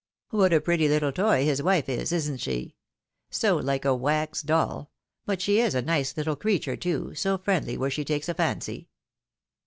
What a pretty little toy his wife is, isn't she ? So like a wax doll— but she is a nice little creature too, so friendly where she takes a fancy